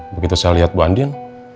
begitu saya lihat bu andin